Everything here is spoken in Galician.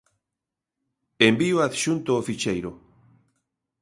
Envío adxunto o ficheiro